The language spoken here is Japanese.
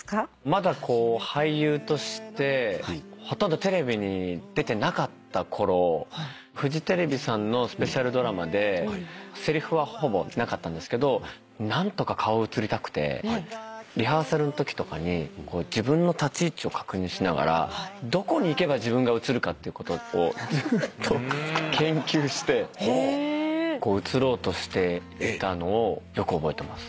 まだ俳優としてほとんどテレビに出てなかった頃フジテレビさんのスペシャルドラマでせりふはほぼなかったんですけど何とか顔映りたくてリハーサルんときとかに自分の立ち位置を確認しながらどこに行けば自分が映るかってことをずーっと研究して映ろうとしていたのをよく覚えてます。